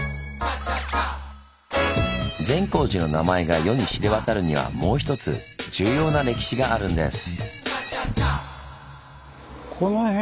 善光寺の名前が世に知れ渡るにはもう一つ重要な歴史があるんです。